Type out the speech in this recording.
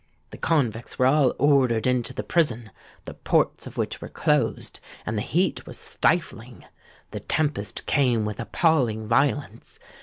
The convicts were all ordered into the prison, the ports of which were closed; and the heat was stifling. The tempest came with appalling violence.